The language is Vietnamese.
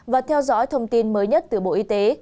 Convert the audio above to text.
và theo dõi thông tin mới nhất từ bộ y tế